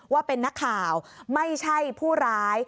ว่าเป็นนักข่าวไม่ใช่ผู้ร้าย